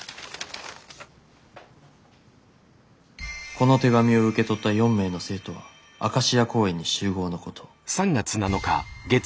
「この手紙を受け取った４名の生徒はアカシア公園に集合のこと」。